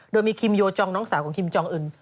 โดยมีคิมโยจองน้องสาวของคิมจองอื่น